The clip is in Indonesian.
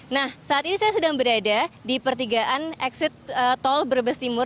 nah saat ini saya sedang berada di pertigaan exit tol brebes timur